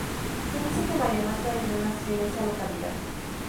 Se dice que María Magdalena nació en esa localidad.